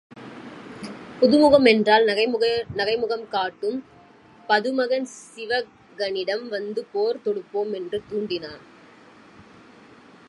புதுமுகம் என்றால் நகைமுகம் காட்டும் பதுமுகன் சீவகனிடம் வந்து போர் தொடுப்போம் என்று துண்டினான்.